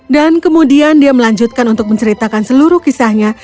kemudian dia melanjutkan untuk menceritakan seluruh kisahnya